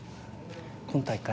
今大会